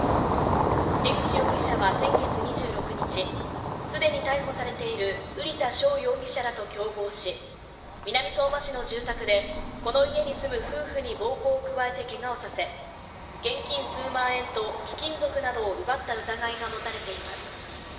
江口容疑者は先月２６日、既に逮捕されている瓜田翔容疑者らと共謀し、南相馬市の住宅でこの家に住む夫婦に暴行を加えてけがをさせ、現金数万円と貴金属などを奪った疑いが持たれています。